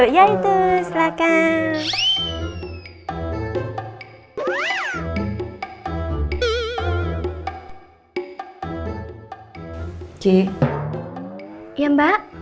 ya itu silakan